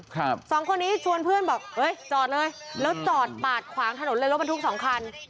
สองคนนี้ชวนเพื่อนบอกเอ้ยจอดเลยแล้วจอดปาดขวางถนนเลยรถบรรทุกสองคัน